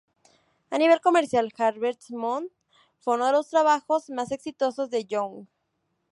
A nivel comercial, "Harvest Moon" fue uno de los trabajos más exitosos de Young.